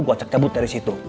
gue cak cabut dari situ